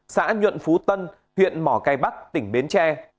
xã nhuận phú tân huyện mỏ cây bắc tỉnh bến tre